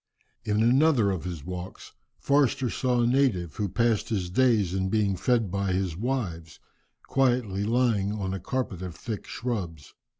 In another of his walks Forster saw a native, who passed his days in being fed by his wives, quietly lying upon a carpet of thick shrubs.